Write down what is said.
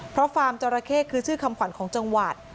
เพราะฟาร์มจราเข้คือชื่อคำขวัญของจังหวัด